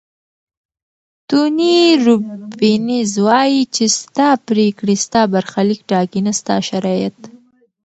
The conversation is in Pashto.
توني روبینز وایي چې ستا پریکړې ستا برخلیک ټاکي نه ستا شرایط.